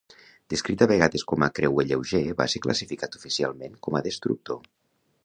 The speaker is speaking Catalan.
Descrit a vegades com a "creuer lleuger", va ser classificat oficialment com a destructor.